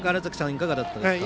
いかがだったですか？